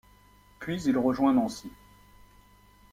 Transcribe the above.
Puis il rejoint Nancy.